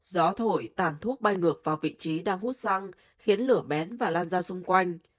gió thổi tàn thuốc bay ngược vào vị trí đang hút xăng khiến lửa bén và lan ra xung quanh